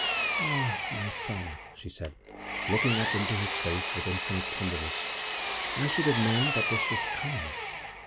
'Ah, my son,' she said, looking up into his face with infinite tenderness,' I should have known that this was coming.